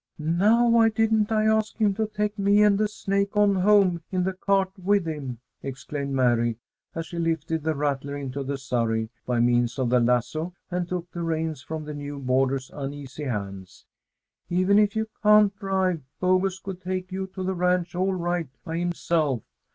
"Now why didn't I ask him to take me and the snake on home in the cart with him?" exclaimed Mary, as she lifted the rattler into the surrey by means of the lasso, and took the reins from the new boarder's uneasy hands. "Even if you can't drive, Bogus could take you to the ranch all right by himself.